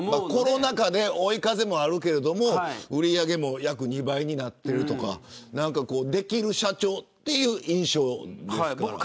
コロナ禍で追い風もあるけれど売り上げも約２倍になっているできる社長という印象ですから。